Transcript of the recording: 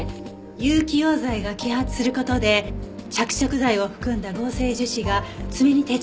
有機溶剤が揮発する事で着色剤を含んだ合成樹脂が爪に定着するんですね。